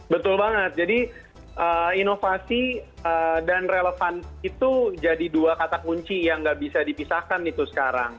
betul banget jadi inovasi dan relevan itu jadi dua kata kunci yang nggak bisa dipisahkan itu sekarang